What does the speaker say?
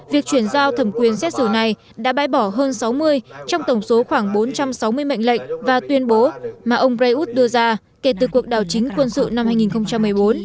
việc chuyển giao thẩm quyền xét xử này đã bãi bỏ hơn sáu mươi trong tổng số khoảng bốn trăm sáu mươi mệnh lệnh và tuyên bố mà ông prayuth đưa ra kể từ cuộc đảo chính quân sự năm hai nghìn một mươi bốn